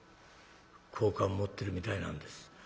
好感持ってるみたいなんです。